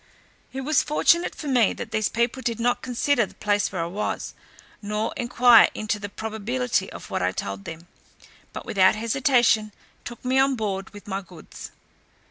It was fortunate for me that these people did not consider the place where I was, nor enquire into the probability of what I told them; but without hesitation took me on board with my goods.